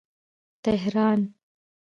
تهران